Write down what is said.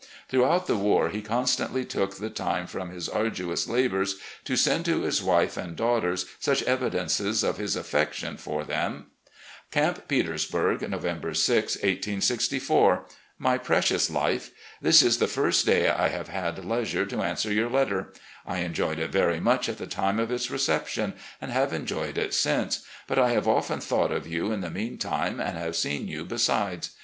Throughout the war, he constantly took the FRONTING THE ARMY OP THE POTOMAC 139 time from his arduous labours to send to his wife and daughters such evidences of his affection for them: "Camp Petersburg, November 6, 1864. "My Precious Life: This is the first day I have had leisiue to answer your letter. I enjoyed it very much at the time of its reception, and have enjoyed it since, but I have often thought of you in the meantime, and have seen you besides.